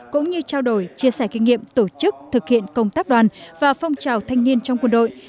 cũng như trao đổi chia sẻ kinh nghiệm tổ chức thực hiện công tác đoàn và phong trào thanh niên trong quân đội